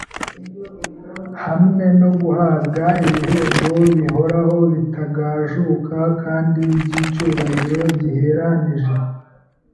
hamwe no guhabwa ibihembo bihoraho, bitagajuka kandi by’icyubahiro giheranije.